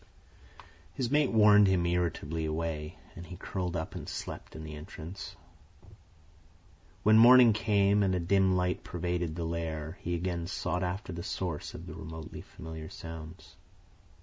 His mate warned him irritably away, and he curled up and slept in the entrance. When morning came and a dim light pervaded the lair, he again sought after the source of the remotely familiar sounds.